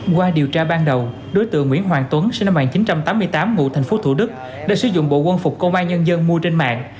qua điều tra ban đầu đối tượng nguyễn hoàng tuấn sinh năm một nghìn chín trăm tám mươi tám ngụ tp thủ đức đã sử dụng bộ quân phục công an nhân dân mua trên mạng